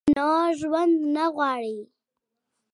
نور ژوند نه غواړي ؟